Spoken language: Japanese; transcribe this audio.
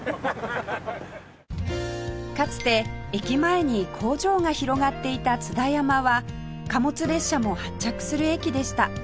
かつて駅前に工場が広がっていた津田山は貨物列車も発着する駅でした